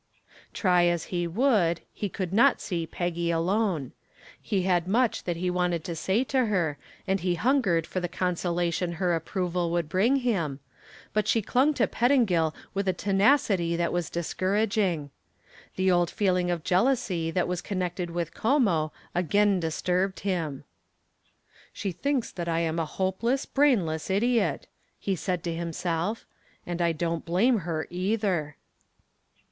Try as he would, he could not see Peggy alone. He had much that he wanted to say to her and he hungered for the consolation her approval would bring him, but she clung to Pettingill with a tenacity that was discouraging. The old feeling of jealousy that was connected with Como again disturbed him. "She thinks that I am a hopeless, brainless idiot," he said to himself. "And I don't blame her, either."